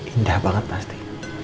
indah banget pasti